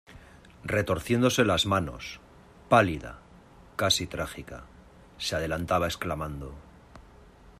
retorciéndose las manos, pálida , casi trágica , se adelantaba exclamando: